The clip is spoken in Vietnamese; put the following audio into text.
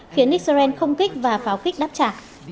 khiến israel không kích và pháo kích đáp trả